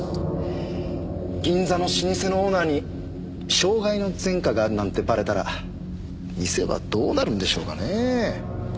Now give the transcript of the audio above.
銀座の老舗のオーナーに傷害の前科があるなんてバレたら店はどうなるんでしょうかねえ。